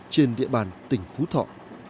trên địa bàn tỉnh phú thọ